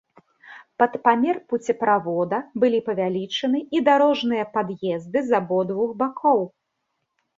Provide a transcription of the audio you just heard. Пад памер пуцеправода былі павялічаны і дарожныя пад'езды з абодвух бакоў.